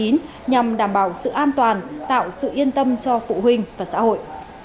nhằm đảm bảo sự an toàn tạo sự yên tâm cho phụ huynh và xã hội